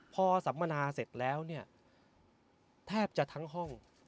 พอสัมมนาเสร็จแล้วเนี่ยแทบจะทั้งห้อง